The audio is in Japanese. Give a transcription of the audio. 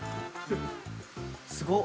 すごっ！